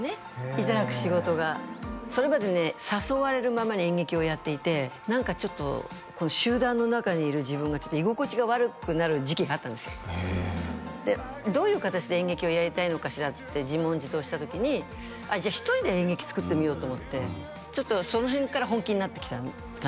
いただく仕事がそれまでね誘われるままに演劇をやっていて何かちょっと集団の中にいる自分が居心地が悪くなる時期があったんですよでどういう形で演劇をやりたいのかしらって自問自答した時にじゃあ１人で演劇作ってみようと思ってその辺から本気になってきた感じですかね